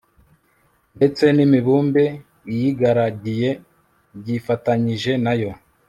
ndetse n'imibumbe iyigaragiye byifatanyije nayo